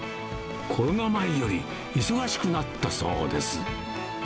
コロナ前より忙しくなったそうです。